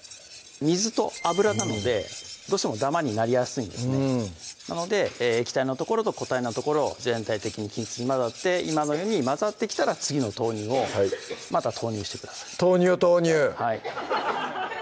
水と油なのでどうしてもダマになりやすいんですねなので液体の所と固体の所を全体的に均一に混ざって今のように混ざってきたら次の豆乳をまた投入してください豆乳を投入！